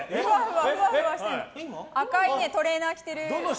赤いトレーナー着てる。